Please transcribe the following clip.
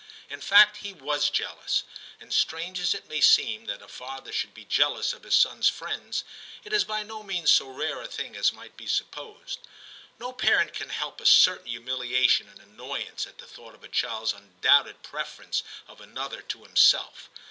In fact, he was jealous; and strange as it may seem that a father should be jealous of his son*s friends, it is by no means so rare a thing as might be supposed. No parent can help a certain humiliation and annoyance at the thought of a child's undoubted pre ference of another to himself.